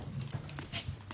はい。